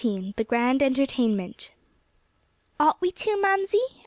XIX THE GRAND ENTERTAINMENT "Ought we to, Mamsie?"